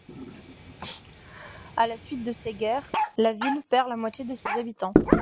À la suite de ces guerres, la ville perd la moitié de ses habitants.